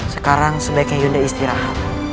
sekarang sebaiknya yunda istirahat